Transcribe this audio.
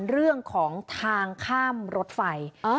เรื่องของทางข้ามรถไฟ